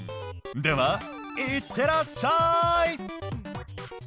ではいってらっしゃーい！